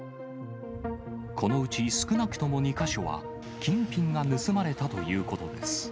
このうち少なくとも２か所は金品が盗まれたということです。